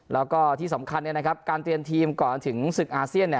แล้วก็ที่สำคัญการเตรียมทีมก่อนถึงศึกอาเซียน